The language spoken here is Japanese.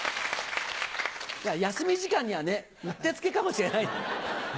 休み時間にはうってつけかもしれない。